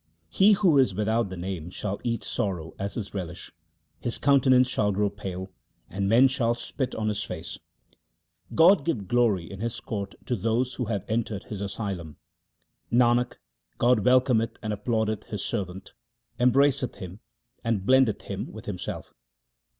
He who is without the Name shall eat sorrow as his relish ; his countenance shall grow pale, and men shall spit on his face. God will give glory in His court to those who have entered His asylum. Nanak, God welcometh and applaudeth His servant, embraceth him and blendeth him with Himself.